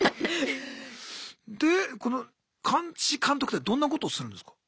でこの監視・監督ってどんなことをするんですか？